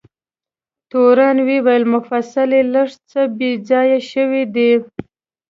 تورن وویل: مفصل یې لږ څه بې ځایه شوی دی.